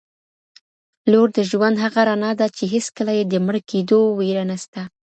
لور د ژوند هغه رڼا ده چي هیڅکله یې د مړ کيدو وېره نسته.